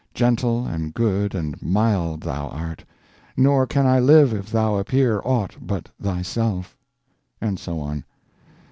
"Gentle and good and mild thou art, Nor can I live if thou appear Aught but thyself."... And so on.